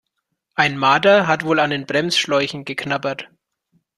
Ein Marder hat wohl an den Bremsschläuchen geknabbert.